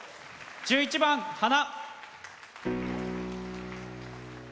１１番「花」。